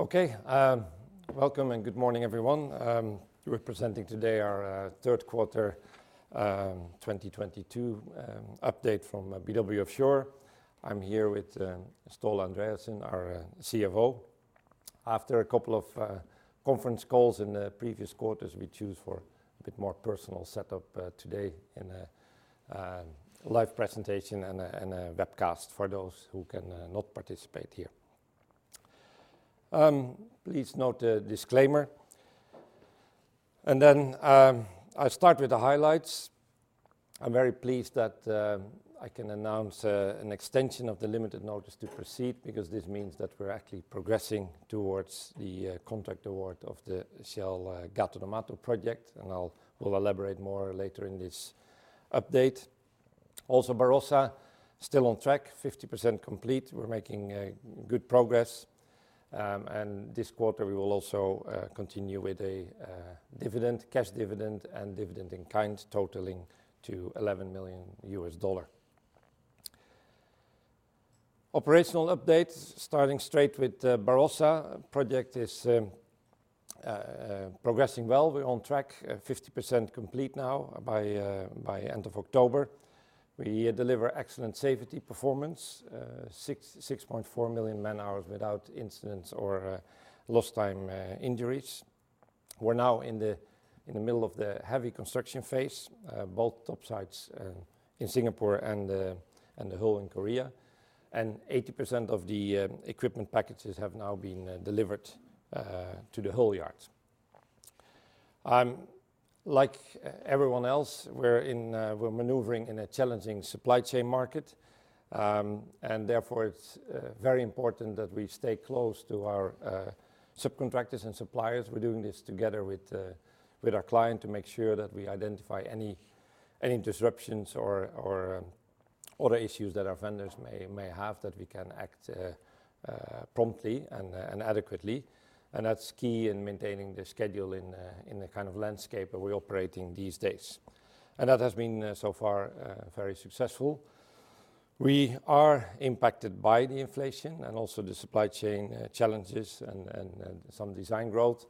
Okay. Welcome and good morning, everyone. Representing today our third quarter 2022 update from BW Offshore. I'm here with Ståle Andreassen, our CFO. After a couple of conference calls in the previous quarters, we choose for a bit more personal setup today in a live presentation and a webcast for those who can not participate here. Please note the disclaimer. I'll start with the highlights. I'm very pleased that I can announce an extension of the limited notice to proceed because this means that we're actually progressing towards the contract award of the Shell Gato do Mato project, and we'll elaborate more later in this update. Also, Barossa still on track, 50% complete. We're making good progress. This quarter we will also continue with a dividend, cash dividend, and dividend in kind totaling to $11 million. Operational updates, starting straight with the Barossa project is progressing well. We're on track, 50% complete now by end of October. We deliver excellent safety performance, 6.4 million man-hours without incidents or lost time injuries. We're now in the middle of the heavy construction phase, both topsides in Singapore and the hull in Korea. 80% of the equipment packages have now been delivered to the hull yard. Like everyone else, we're maneuvering in a challenging supply chain market, and therefore it's very important that we stay close to our subcontractors and suppliers. We're doing this together with our client to make sure that we identify any disruptions or order issues that our vendors may have that we can act promptly and adequately. That's key in maintaining the schedule in the kind of landscape that we operate in these days. That has been so far very successful. We are impacted by the inflation and also the supply chain challenges and some design growth.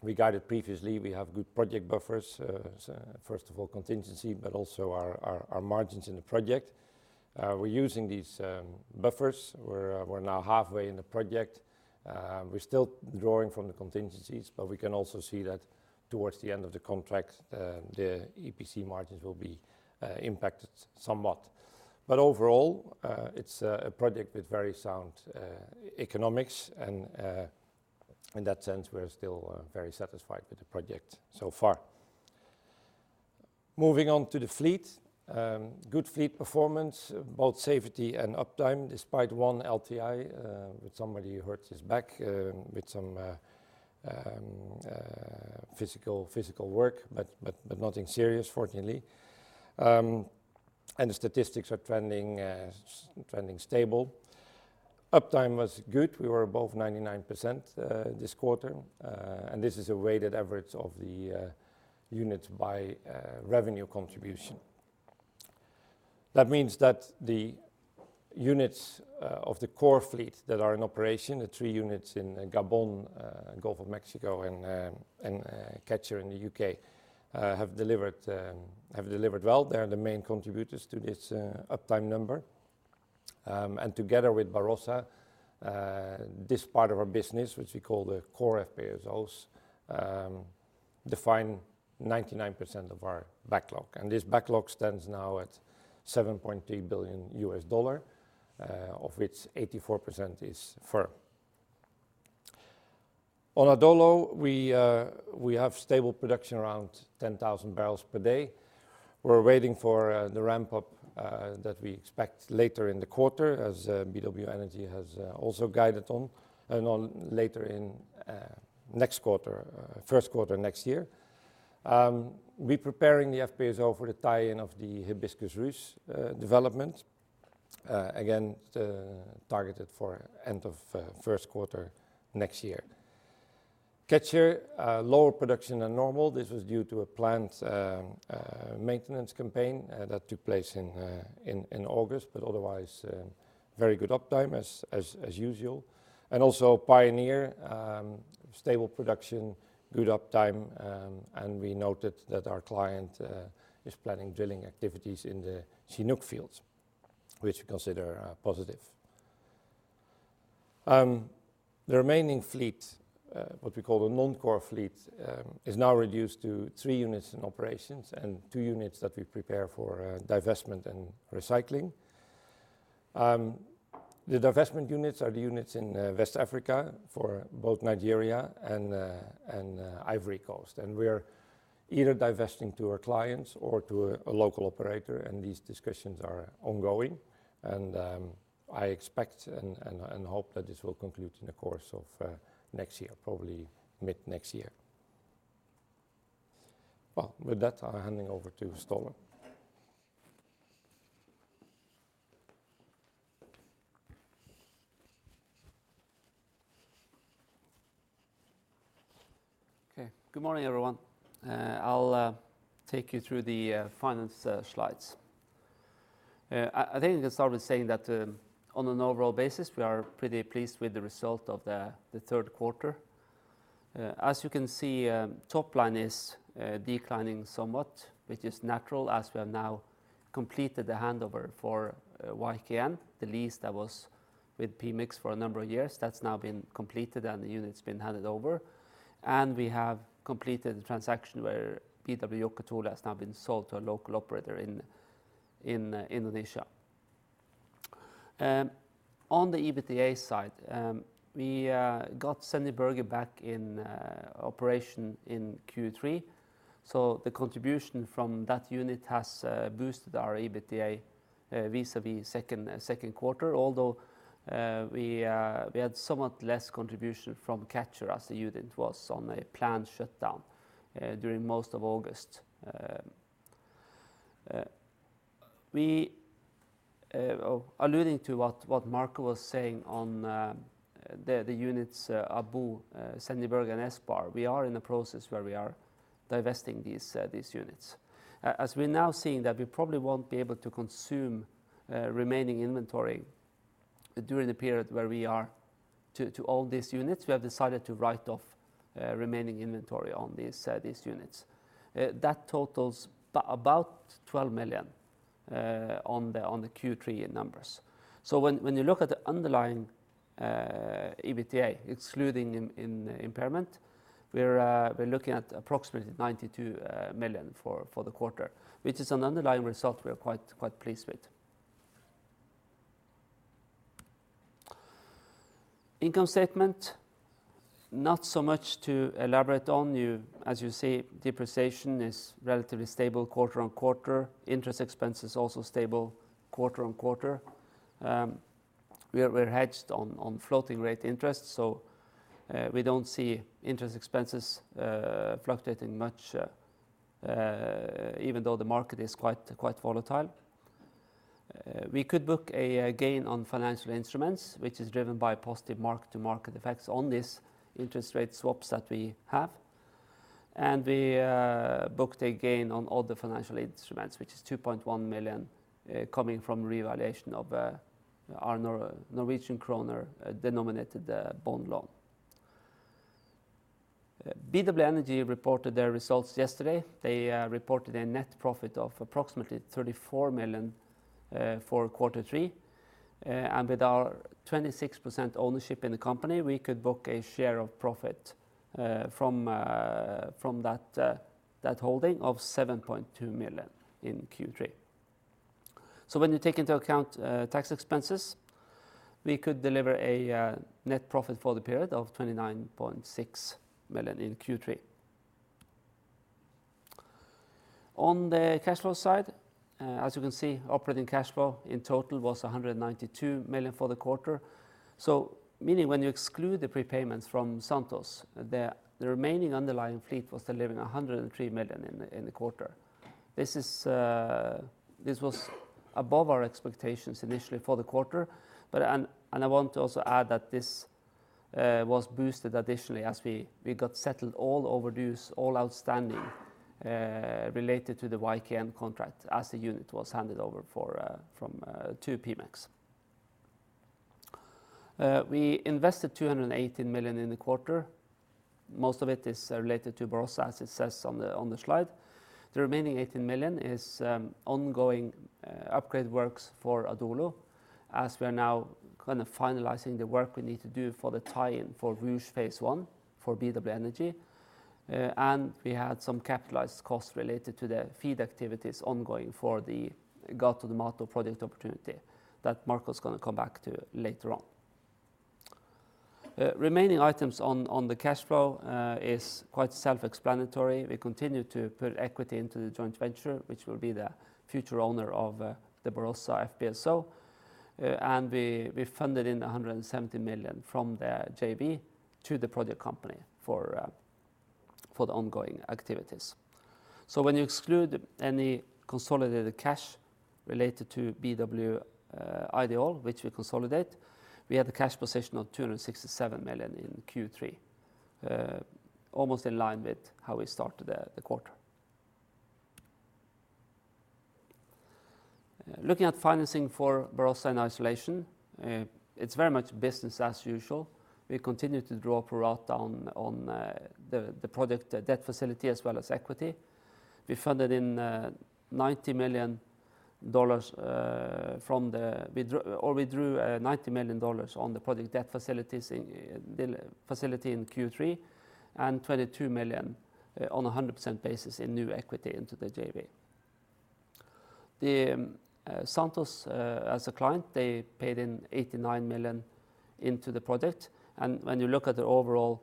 We guided previously. We have good project buffers, so first of all, contingency, but also our margins in the project. We're using these buffers. We're now halfway in the project. We're still drawing from the contingencies, but we can also see that towards the end of the contract, the EPC margins will be impacted somewhat. Overall, it's a project with very sound economics and, in that sense, we're still very satisfied with the project so far. Moving on to the fleet. Good fleet performance, both safety and uptime, despite one LTI with somebody who hurts his back with some physical work, but nothing serious, fortunately. The statistics are trending stable. Uptime was good. We were above 99% this quarter. This is a weighted average of the units by revenue contribution. That means that the units of the core fleet that are in operation, the three units in Gabon, Gulf of Mexico, and Catcher in the U.K., have delivered well. They are the main contributors to this uptime number. Together with Barossa, this part of our business, which we call the core FPSOs, define 99% of our backlog. This backlog stands now at $7.3 billion, of which 84% is firm. On Adolo, we have stable production around 10,000 barrels per day. We're waiting for the ramp up that we expect later in the quarter as BW Energy has also guided on and later in next quarter, first quarter next year. We preparing the FPSO for the tie-in of the Hibiscus/Ruche development. Again, targeted for end of first quarter next year. Catcher lower production than normal. This was due to a planned maintenance campaign that took place in August, but otherwise very good uptime as usual. Also Pioneer stable production, good uptime, and we noted that our client is planning drilling activities in the Chinook fields, which we consider positive. The remaining fleet, what we call the non-core fleet, is now reduced to three units in operations and two units that we prepare for divestment and recycling. The divestment units are the units in West Africa for both Nigeria and Ivory Coast. We're either divesting to our clients or to a local operator, and these discussions are ongoing. I expect and hope that this will conclude in the course of next year, probably mid-next year. Well, with that, I'm handing over to Ståle. Good morning, everyone. I'll take you through the finance slides. I think we can start with saying that on an overall basis, we are pretty pleased with the result of the third quarter. As you can see, top line is declining somewhat, which is natural as we have now completed the handover for Yùum K náab, the lease that was with Pemex for a number of years. That's now been completed, and the unit's been handed over. We have completed the transaction where BW Okatela has now been sold to a local operator in Indonesia. On the EBITDA side, we got Sendje Berge back in operation in Q3, so the contribution from that unit has boosted our EBITDA vis-à-vis second quarter. Although we had somewhat less contribution from Catcher as the unit was on a planned shutdown during most of August. Alluding to what Marco was saying on the units Abo, Sendje Berge, and Espoir, we are in the process where we are divesting these units. As we're now seeing that we probably won't be able to consume remaining inventory during the period where we are to all these units, we have decided to write off remaining inventory on these units. That totals about $12 million on the Q3 numbers. When you look at the underlying EBITDA, excluding impairment, we're looking at approximately $92 million for the quarter, which is an underlying result we are quite pleased with. Income statement, not so much to elaborate on. As you see, depreciation is relatively stable quarter-on-quarter. Interest expense is also stable quarter-on-quarter. We're hedged on floating rate interest, so we don't see interest expenses fluctuating much even though the market is quite volatile. We could book a gain on financial instruments, which is driven by positive mark-to-market effects on these interest rate swaps that we have. We booked a gain on other financial instruments, which is $2.1 million, coming from reevaluation of our Norwegian kroner denominated bond loan. BW Energy reported their results yesterday. They reported a net profit of approximately $34 million for quarter three. With our 26% ownership in the company, we could book a share of profit from that holding of $7.2 million in Q3. When you take into account tax expenses, we could deliver a net profit for the period of $29.6 million in Q3. On the cash flow side, as you can see, operating cash flow in total was $192 million for the quarter. Meaning when you exclude the prepayments from Santos, the remaining underlying fleet was delivering $103 million in the quarter. This was above our expectations initially for the quarter. I want to also add that this was boosted additionally as we got settled all overdues, all outstanding related to theYúum K'ak'náab contract as the unit was handed over to Pemex. We invested $218 million in the quarter. Most of it is related to Barossa, as it says on the slide. The remaining $18 million is ongoing upgrade works forAdolo, as we are now kind of finalizing the work we need to do for the tie-in for Ruche Phase 1 for BW Energy. We had some capitalized costs related to the FEED activities ongoing for the Gato do Mato project opportunity that Marco is gonna come back to later on. Remaining items on the cash flow is quite self-explanatory. We continue to put equity into the joint venture, which will be the future owner of the Barossa FPSO. We funded in $170 million from the JV to the project company for the ongoing activities. When you exclude any consolidated cash related to BW Ideol, which we consolidate, we have a cash position of $267 million in Q3, almost in line with how we started the quarter. Looking at financing for Barossa and Ideol, it's very much business as usual. We continue to draw up pro rata on the project debt facility as well as equity. We funded in $90 million. We drew $90 million on the project debt facility in Q3 and $22 million on a 100% basis in new equity into the JV. Santos as a client, they paid in $89 million into the project. When you look at the overall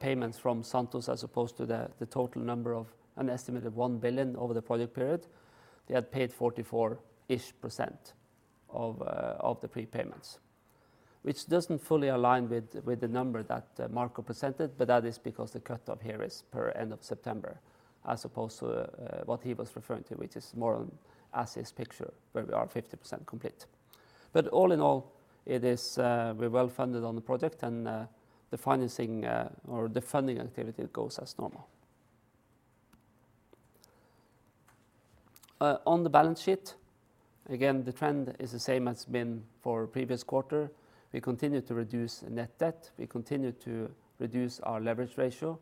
payments from Santos as opposed to the total number of an estimate of $1 billion over the project period, they had paid 44%-ish of the prepayments, which doesn't fully align with the number that Marco presented, but that is because the cut-off here is per end of September, as opposed to what he was referring to, which is more an as-is picture, where we are 50% complete. All in all, we're well-funded on the project and the financing or the funding activity goes as normal. On the balance sheet, again the trend is the same as been for previous quarter. We continue to reduce net debt. We continue to reduce our leverage ratio.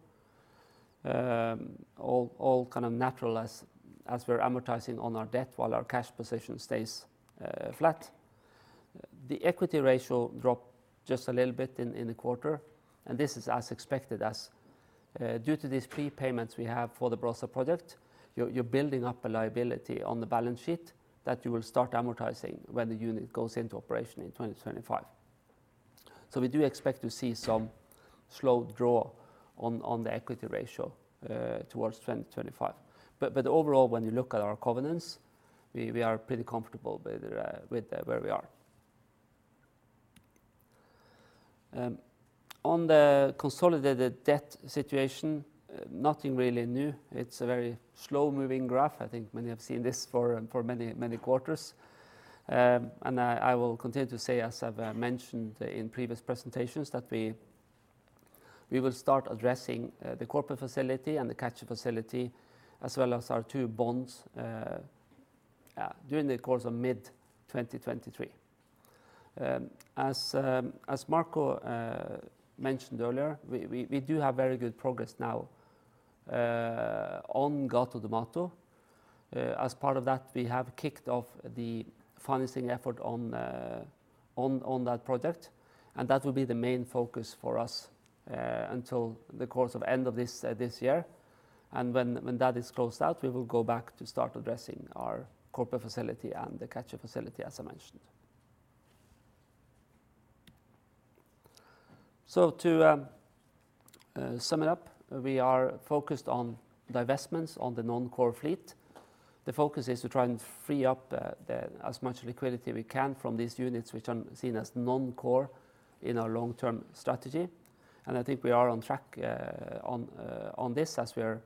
All kind of natural as we're amortizing on our debt while our cash position stays flat. The equity ratio dropped just a little bit in the quarter, and this is as expected as due to these prepayments we have for the Barossa project. You're building up a liability on the balance sheet that you will start amortizing when the unit goes into operation in 2025. We do expect to see some slow draw on the equity ratio towards 2025. Overall when you look at our covenants, we are pretty comfortable with where we are. On the consolidated debt situation, nothing really new. It's a very slow-moving graph. I think many have seen this for many, many quarters. I will continue to say as I've mentioned in previous presentations that we will start addressing the corporate facility and the Catcher facility as well as our two bonds during the course of mid 2023. As Marco mentioned earlier, we do have very good progress now on Gato do Mato. As part of that we have kicked off the financing effort on that project, and that will be the main focus for us until the course of end of this year. When that is closed out, we will go back to start addressing our corporate facility and the Catcher facility as I mentioned. To sum it up, we are focused on divestments on the non-core fleet. The focus is to try and free up as much liquidity we can from these units which are seen as non-core in our long-term strategy. I think we are on track on this as we are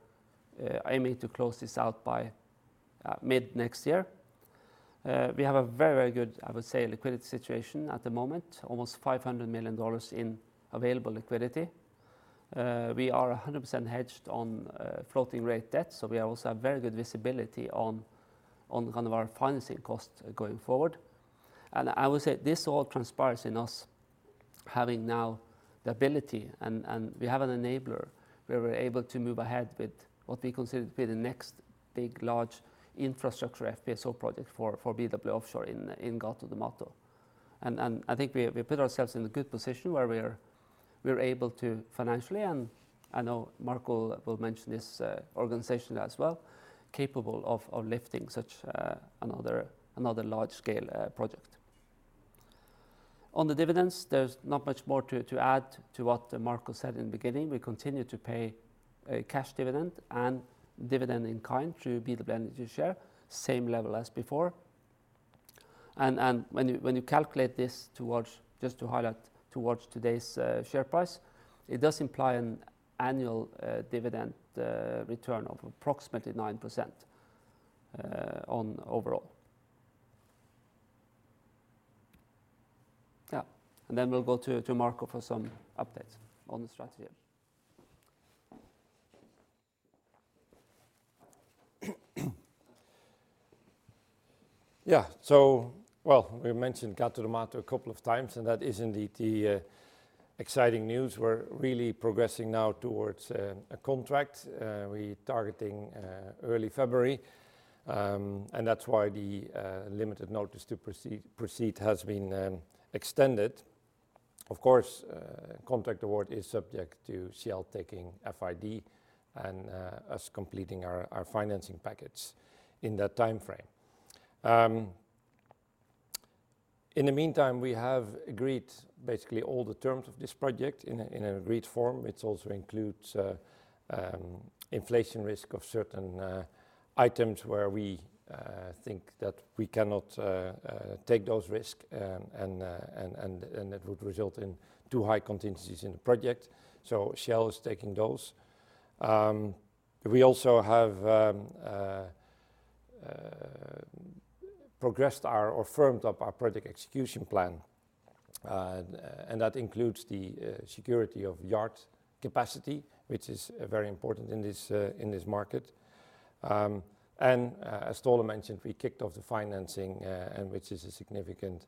aiming to close this out by mid next year. We have a very good, I would say, liquidity situation at the moment, almost $500 million in available liquidity. We are 100% hedged on floating rate debt, so we also have very good visibility on kind of our financing cost going forward. I would say this all transpires in us having now the ability and we have an enabler where we're able to move ahead with what we consider to be the next big large infrastructure FPSO project for BW Offshore in Gato do Mato. I think we put ourselves in a good position where we are able to financially, and I know Marco will mention this organization as well, capable of lifting such another large-scale project. On the dividends, there's not much more to add to what Marco said in the beginning. We continue to pay a cash dividend and dividend in kind through BW Energy share, same level as before. When you calculate this, just to highlight, towards today's share price, it does imply an annual dividend return of approximately 9% overall. Yeah. We'll go to Marco for some updates on the strategy. Yeah. Well, we mentioned Gato do Mato a couple of times, and that is indeed the exciting news. We're really progressing now towards a contract. We're targeting early February. That's why the limited notice to proceed has been extended. Of course, contract award is subject to Shell taking FID and us completing our financing package in that timeframe. In the meantime, we have agreed basically all the terms of this project in an agreed form. It also includes inflation risk of certain items where we think that we cannot take those risk, and it would result in too high contingencies in the project. Shell is taking those. We also have firmed up our project execution plan. That includes the security of yard capacity, which is very important in this market. As Ståle mentioned, we kicked off the financing, which is a significant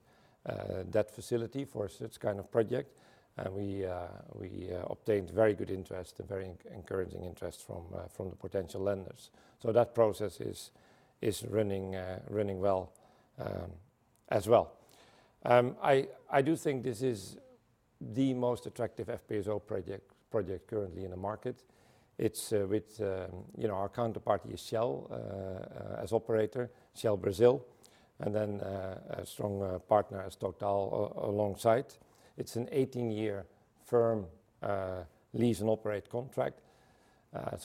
debt facility for such kind of project. We obtained very good interest, very encouraging interest from the potential lenders. That process is running well as well. I do think this is the most attractive FPSO project currently in the market. It's with, you know, our counterparty is Shell as operator, Shell Brasil, and then a strong partner as TotalEnergies alongside. It's an 18-year firm lease and operate contract.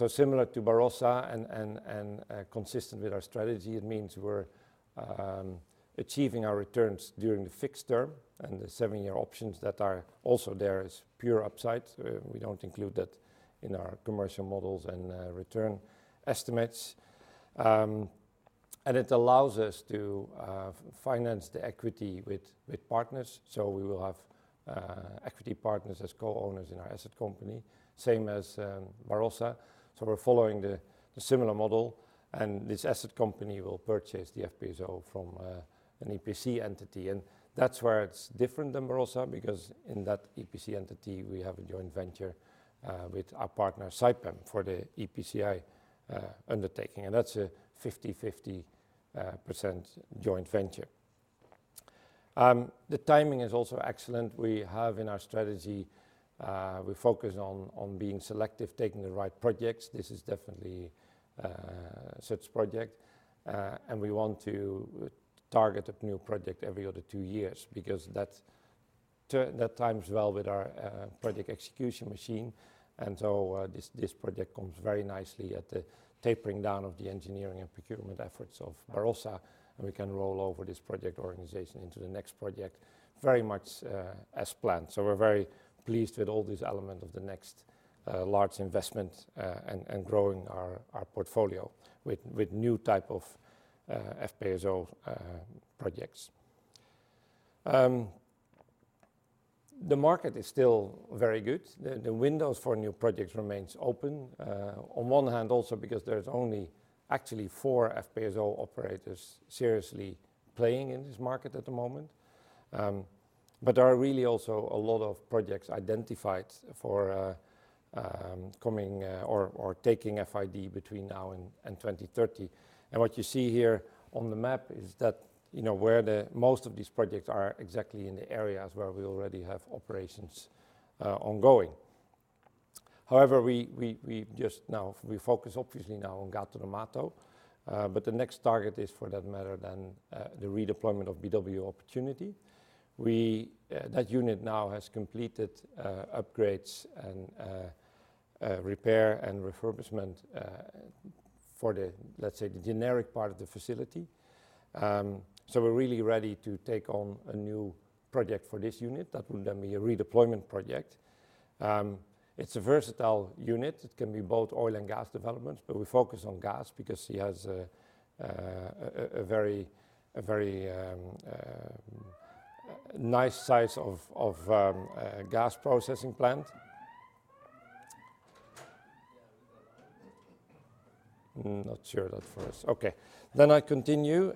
Similar to Barossa and consistent with our strategy, it means we're achieving our returns during the fixed term and the seven-year options that are also there as pure upside. We don't include that in our commercial models and return estimates. It allows us to finance the equity with partners. We will have equity partners as co-owners in our asset company, same as Barossa. We're following the similar model, and this asset company will purchase the FPSO from an EPC entity. That's where it's different than Barossa because in that EPC entity, we have a joint venture with our partner Saipem for the EPCI undertaking. That's a 50/50% joint venture. The timing is also excellent. We focus on being selective, taking the right projects. This is definitely such project. We want to target a new project every other 2 years because that times well with our project execution machine. This project comes very nicely at the tapering down of the engineering and procurement efforts of Barossa, and we can roll over this project organization into the next project very much as planned. We're very pleased with all these element of the next large investment and growing our portfolio with new type of FPSO projects. The market is still very good. The windows for new projects remains open on one hand also because there's only actually 4 FPSO operators seriously playing in this market at the moment. There are really also a lot of projects identified for taking FID between now and 2030. What you see here on the map is that, you know, where the most of these projects are exactly in the areas where we already have operations ongoing. However, we focus obviously now on Gato do Mato, but the next target is for that matter then the redeployment of BW Opportunity. That unit now has completed upgrades and repair and refurbishment for the, let's say, the generic part of the facility. We're really ready to take on a new project for this unit that will then be a redeployment project. It's a versatile unit. It can be both oil and gas development, but we focus on gas because it has a very nice size of gas processing plant. Not sure that for us. Okay. I continue.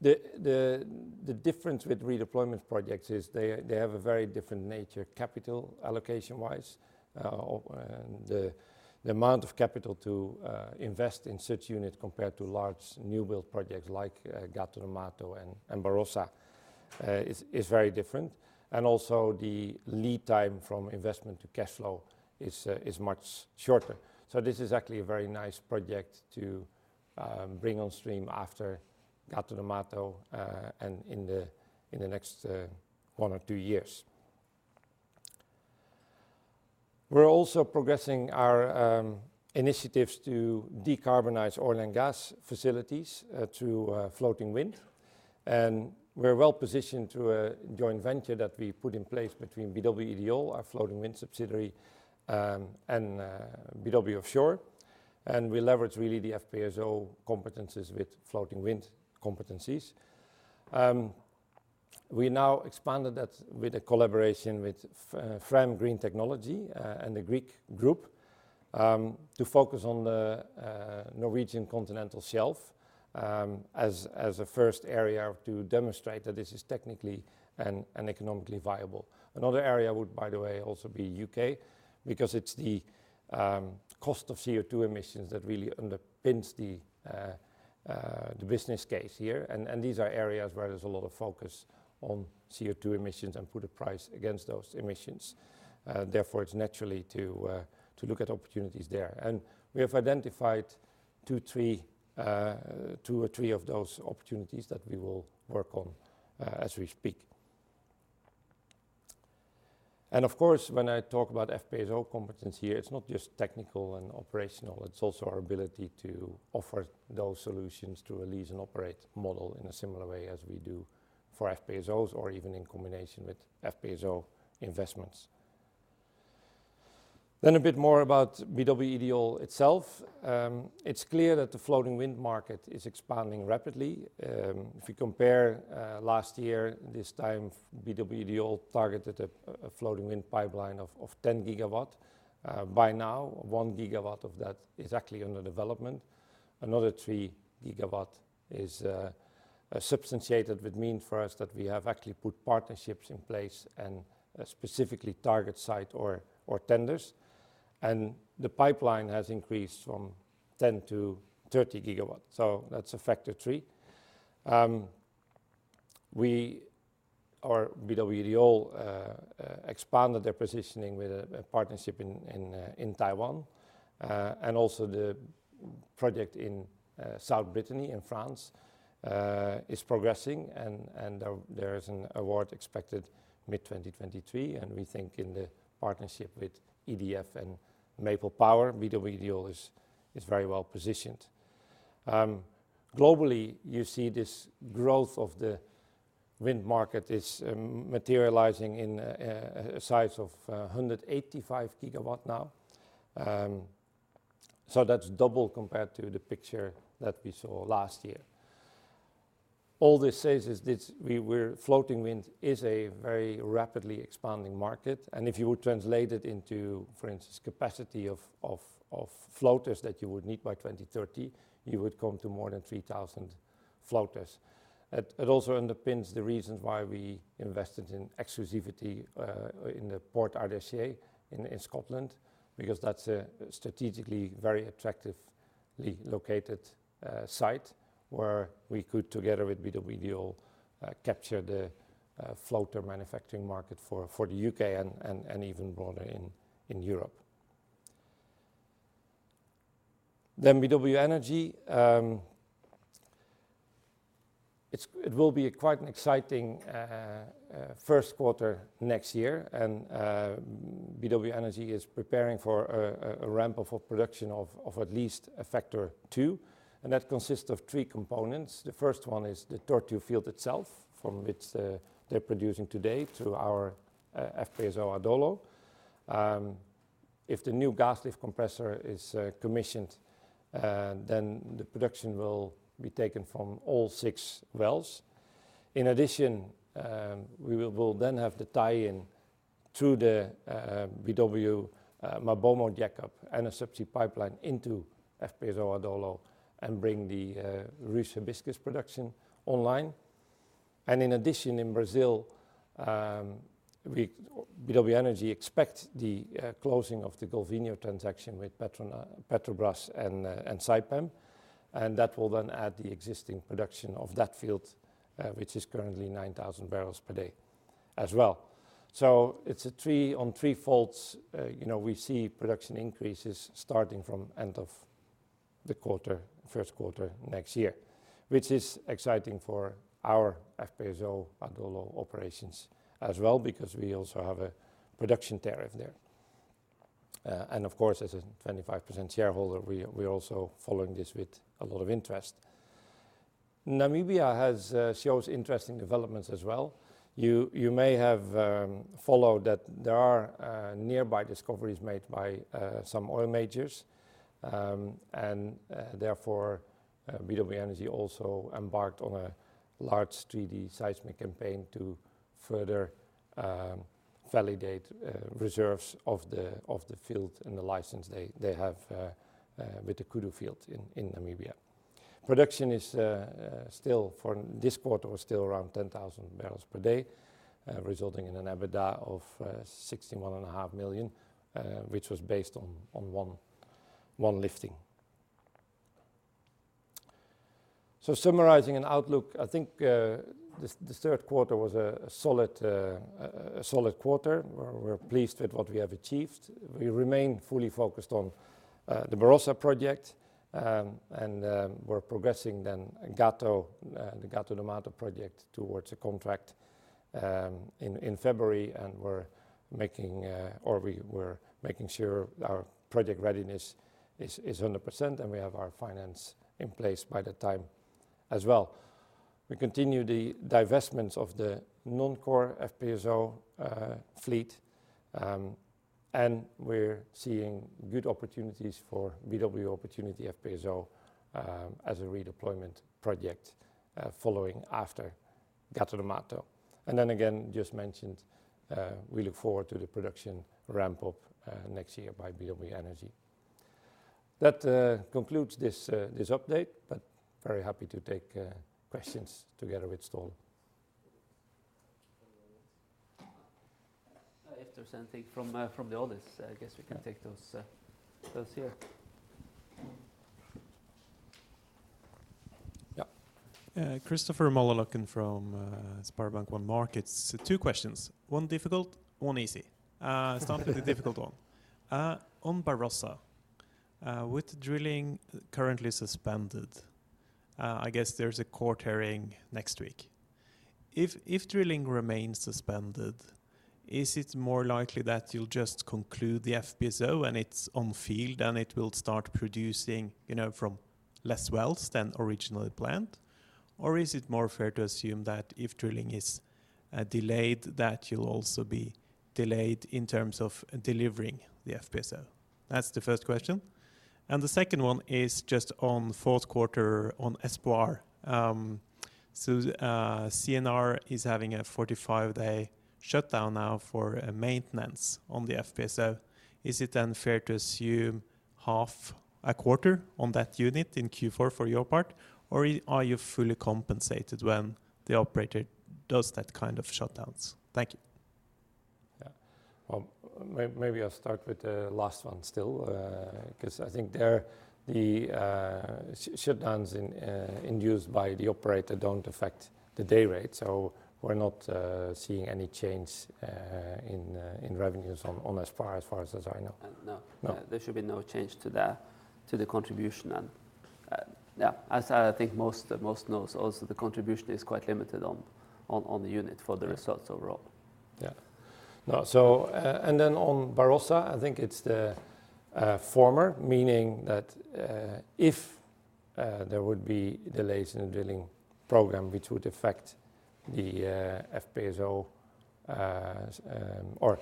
The difference with redeployment projects is they have a very different nature capital allocation-wise. The amount of capital to invest in such unit compared to large new build projects like Gato do Mato and Barossa is very different. The lead time from investment to cash flow is much shorter. This is actually a very nice project to bring on stream after Gato do Mato and in the next one or two years. We're also progressing our initiatives to decarbonize oil and gas facilities to floating wind. We're well positioned to a joint venture that we put in place between BW Ideol, our floating wind subsidiary, and BW Offshore. We leverage really the FPSO competences with floating wind competencies. We now expanded that with a collaboration with Framo Green Technology and the Grieg Group to focus on the Norwegian continental shelf as a first area to demonstrate that this is technically and economically viable. Another area would, by the way, also be U.K. because it's the cost of CO2 emissions that really underpins the business case here. These are areas where there's a lot of focus on CO2 emissions and put a price against those emissions. Therefore, it's naturally to look at opportunities there. We have identified two or three of those opportunities that we will work on as we speak. Of course, when I talk about FPSO competence here, it's not just technical and operational, it's also our ability to offer those solutions to a lease and operate model in a similar way as we do for FPSOs or even in combination with FPSO investments. A bit more about BW Ideol itself. It's clear that the floating wind market is expanding rapidly. If you compare last year, this time BW Ideol targeted a floating wind pipeline of 10 GW. By now, 1 GW of that is actually under development. Another 3 gigawatt is substantiated, which mean for us that we have actually put partnerships in place and specifically target site or tenders. The pipeline has increased from 10 to 30 gigawatt. That's a factor 3. BW Ideol expanded their positioning with a partnership in Taiwan. The project in South Brittany in France is progressing and there is an award expected mid-2023. We think in the partnership with EDF and Maple Power, BW Ideol is very well positioned. Globally, you see this growth of the wind market is materializing in a size of 185 gigawatt now. That's double compared to the picture that we saw last year. All this says is this, floating wind is a very rapidly expanding market. If you would translate it into, for instance, capacity of floaters that you would need by 2030, you would come to more than 3,000 floaters. It also underpins the reasons why we invested in exclusivity in Ardersier Port in Scotland, because that's a strategically very attractively located site where we could, together with BW Ideol, capture the floater manufacturing market for the U.K. and even broader in Europe. BW Energy, it will be quite an exciting first quarter next year and BW Energy is preparing for a ramp of production of at least a factor two, and that consists of three components. The first one is the Tortue field itself, from which they're producing today through our FPSO Adolo. If the new gas lift compressor is commissioned, then the production will be taken from all 6 wells. In addition, we will then have the tie-in through the BW MaBoMo to Adolo interconnection pipeline into FPSO Adolo and bring the Ruche Hibiscus production online. In addition, in Brazil, BW Energy expects the closing of the Golfinho transaction with Petrobras and Saipem, and that will then add the existing production of that field, which is currently 9,000 barrels per day as well. It is on three fronts, you know, we see production increases starting from end of the quarter, first quarter next year, which is exciting for our FPSO Adolo operations as well because we also have a production tariff there. Of course, as a 25% shareholder, we're also following this with a lot of interest. Namibia shows interesting developments as well. You may have followed that there are nearby discoveries made by some oil majors. Therefore, BW Energy also embarked on a large 3-D seismic campaign to further validate reserves of the field and the license they have with the Kudu field in Namibia. Production is for this quarter, still around 10,000 barrels per day, resulting in an EBITDA of $61 and a half million, which was based on one lifting. Summarizing an outlook, I think this third quarter was a solid quarter. We're pleased with what we have achieved. We remain fully focused on the Barossa project, and we're progressing the Gato do Mato project towards a contract in February, and we were making sure our project readiness is 100% and we have our finance in place by that time as well. We continue the divestments of the non-core FPSO fleet, and we're seeing good opportunities for BW Opportunity FPSO as a redeployment project following after Gato do Mato. Again, just mentioned, we look forward to the production ramp up next year by BW Energy. That concludes this update, but very happy to take questions together with Ståle Andreassen. If there's anything from the others, I guess we can take those here. Yeah. Christopher Møllerløkken from Sparebank 1 Markets. Two questions. One difficult, one easy. Start with the difficult one. On Barossa, with drilling currently suspended, I guess there's a court hearing next week. If drilling remains suspended, is it more likely that you'll just conclude the FPSO and it's on field and it will start producing, you know, from less wells than originally planned? Is it more fair to assume that if drilling is delayed, that you'll also be delayed in terms of delivering the FPSO? That's the first question. The second one is just on fourth quarter on Espoir. CNR is having a 45 day shutdown now for a maintenance on the FPSO. Is it then fair to assume half a quarter on that unit in Q4 for your part, or are you fully compensated when the operator does that kind of shutdowns? Thank you. Yeah. Well, may-maybe I'll start with the last one still, uh, 'cause I think there the, uh, sh-shutdowns in, uh, induced by the operator don't affect the day rate. So we're not, uh, seeing any change, uh, in, uh, in revenues on Espoir as far as as I know. No. No. There should be no change to the contribution. Yeah, as I think most knows also the contribution is quite limited on the unit for the results overall. Yeah. No. On Barossa, I think it's the former, meaning that if there would be delays in the drilling program which would affect the FPSO or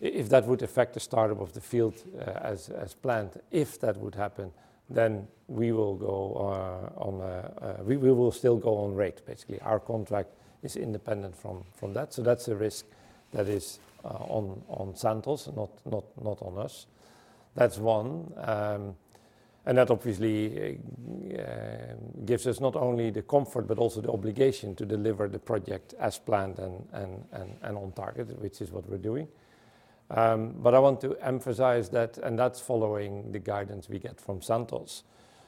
if that would affect the startup of the field as planned, if that would happen, we will still go on rate, basically. Our contract is independent from that. That's a risk that is on Santos and not on us. That's one. That obviously gives us not only the comfort, but also the obligation to deliver the project as planned and on target, which is what we're doing. I want to emphasize that, and that's following the guidance we get from Santos.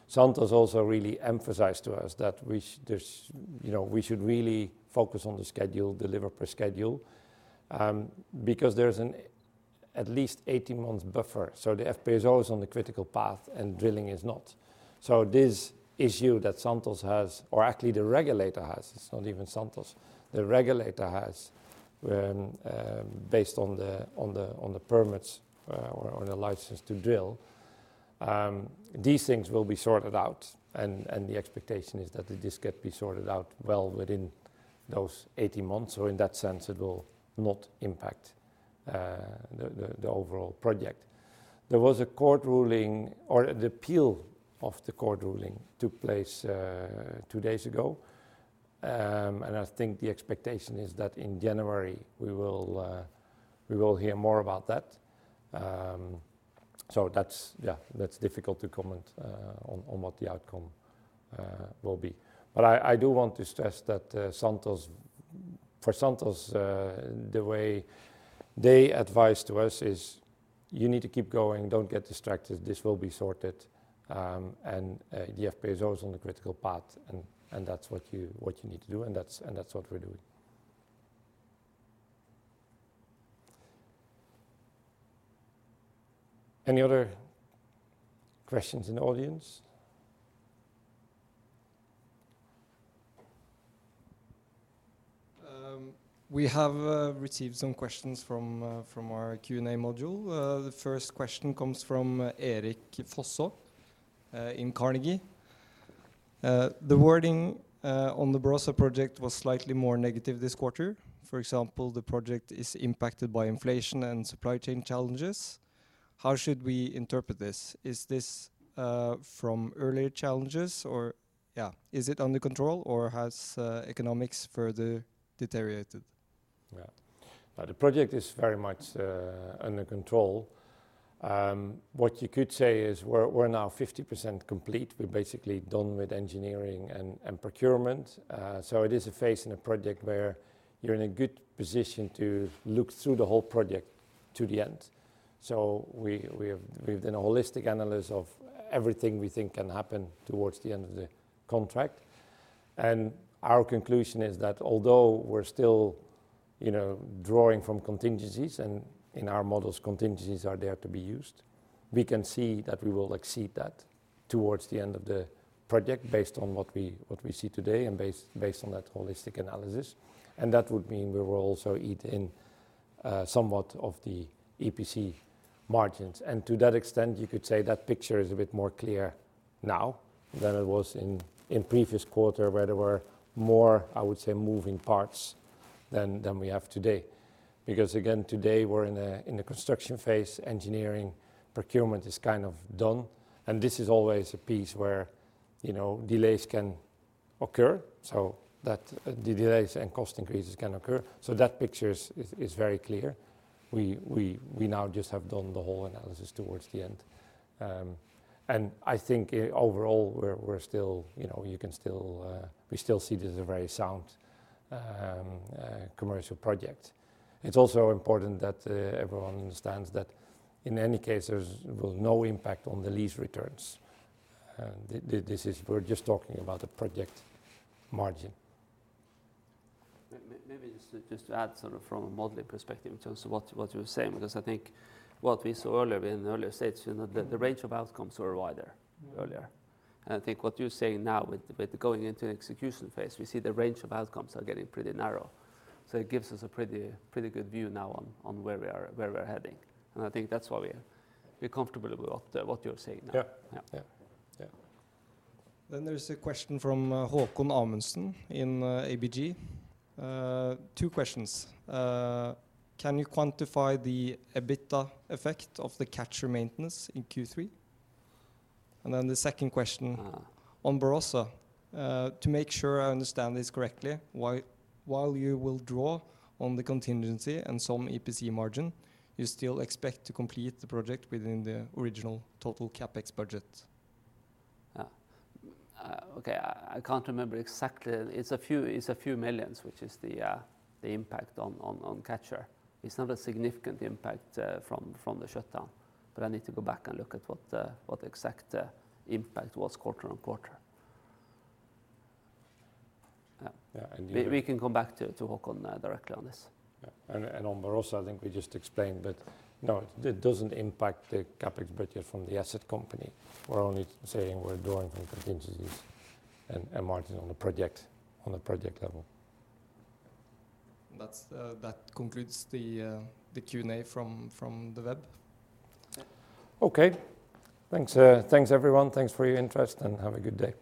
Santos also really emphasized to us that, you know, we should really focus on the schedule, deliver per schedule because there's an at least 18 months buffer. The FPSO is on the critical path and drilling is not. This issue that Santos has or actually the regulator has, it's not even Santos, the regulator has, based on the permits or on the license to drill, these things will be sorted out and the expectation is that this can be sorted out well within those 18 months. In that sense it will not impact the overall project. There was a court ruling or the appeal of the court ruling took place two days ago. I think the expectation is that in January we will hear more about that. Yeah, that's difficult to comment on what the outcome will be. I do want to stress that for Santos, the way they advise to us is you need to keep going, don't get distracted, this will be sorted. The FPSO is on the critical path and that's what you need to do, and that's what we're doing. Any other questions in the audience? We have received some questions from our Q&A module. The first question comes from Erik Fossa in Carnegie. The wording on the Barossa project was slightly more negative this quarter. For example, the project is impacted by inflation and supply chain challenges. How should we interpret this? Is this from earlier challenges or yeah, is it under control or has economics further deteriorated? Yeah. The project is very much under control. What you could say is we're now 50% complete. We're basically done with engineering and procurement. It is a phase in a project where you're in a good position to look through the whole project to the end. We've done a holistic analysis of everything we think can happen towards the end of the contract. Our conclusion is that although we're still, you know, drawing from contingencies, and in our models, contingencies are there to be used, we can see that we will exceed that towards the end of the project based on what we see today and based on that holistic analysis. That would mean we will also eat in somewhat of the EPC margins. To that extent, you could say that picture is a bit more clear now than it was in previous quarter where there were more, I would say, moving parts than we have today. Because again, today we're in a construction phase, engineering procurement is kind of done, and this is always a piece where, you know, delays can occur, so that the delays and cost increases can occur. That picture is very clear. We now just have done the whole analysis towards the end. I think overall, you know, we still see this as a very sound commercial project. It's also important that everyone understands that in any case there's will no impact on the lease returns. We're just talking about the project margin. Maybe just to add sort of from a modeling perspective in terms of what you were saying, because I think what we saw earlier in the earlier stage, you know, the range of outcomes were wider earlier. I think what you're saying now with going into an execution phase, we see the range of outcomes are getting pretty narrow. It gives us a pretty good view now on where we are, where we're heading. I think that's why we're comfortable with what you're saying now. Yeah. Yeah. Yeah. Yeah. There's a question from Håkon Amundsen in ABG. Two questions. Can you quantify the EBITDA effect of the Catcher maintenance in Q3? The second question. Ah. On Barossa, to make sure I understand this correctly, while you will draw on the contingency and some EPC margin, you still expect to complete the project within the original total CapEx budget? Yeah. Okay. I can't remember exactly. It's $a few millions, which is the impact on Catcher. It's not a significant impact from the shutdown, but I need to go back and look at what the exact impact was quarter-on-quarter. Yeah. Yeah. We can come back to Haakon directly on this. Yeah. On Barossa, I think we just explained that, no, it doesn't impact the CapEx budget from the asset company. We're only saying we're drawing from contingencies and margin on the project level. That concludes the Q&A from the web. Okay. Thanks, uh, thanks everyone. Thanks for your interest and have a good day.